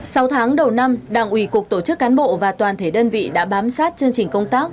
sau tháng đầu năm đảng ủy cục tổ chức cán bộ và toàn thể đơn vị đã bám sát chương trình công tác